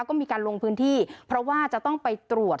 ก็มีการลงพื้นที่เพราะว่าจะต้องไปตรวจ